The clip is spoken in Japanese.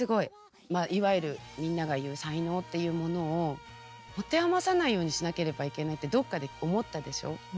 まあいわゆるみんなが言う才能っていうものを持て余さないようにしなければいけないってどっかで思ったでしょう？